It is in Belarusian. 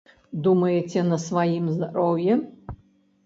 Думаеце, на сваім здароўі?